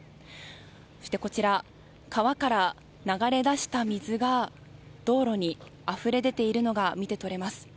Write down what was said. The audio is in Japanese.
そして、川から流れだした水が道路にあふれ出ているのが見て取れます。